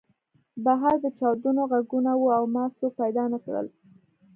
بهر د چاودنو غږونه وو او ما څوک پیدا نه کړل